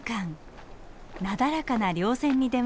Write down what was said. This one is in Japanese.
なだらかな稜線に出ました。